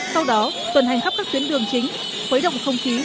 sau đó tuần hành khắp các tuyến đường chính khuấy động không khí